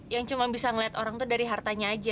yang cuma bisa ngeliat orang tuh dari hartanya aja